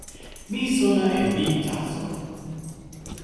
mi sona e ni taso.